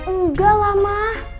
enggak lah ma